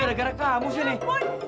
gara gara kamu sih nih